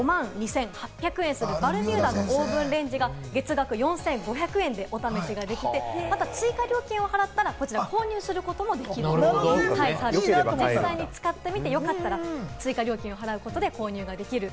購入すると５万２８００円するバルミューダのオーブンレンジが月額４５００円でお試しができて、追加料金を払ったら購入することもできるというサービスがあって、実際に使ってみてよかったら、追加料金を払うことで購入できる。